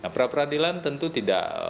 pra peradilan tentu tidak